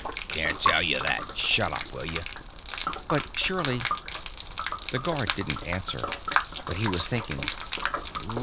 "CAN'T TELL YOU THAT. SHUDDUP, WILL YOU?" "But surely...." The guard didn't answer. But he was thinking.